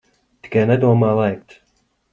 Tikai nedomā lēkt.